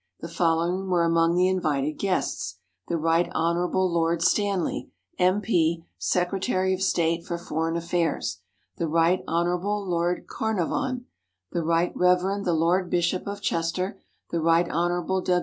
The following were among the invited guests: the Rt. Hon. Lord Stanley, M.P., Secretary of State for Foreign Affairs; the Rt. Hon. Lord Carnarvon; the Rt. Rev. the Lord Bishop of Chester; the Rt. Hon.